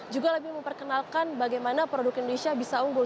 juga lebih memperkenalkan bagaimana produk indonesia bisa unggul